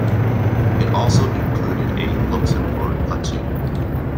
It also included a Luxembourg platoon.